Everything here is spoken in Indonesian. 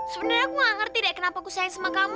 sebenarnya gue gak ngerti deh kenapa aku sayang sama kamu